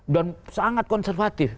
dan sangat konservatif